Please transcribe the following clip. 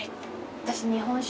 私日本酒。